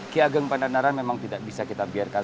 ki ageng pandanaran memang tidak bisa kita biarkan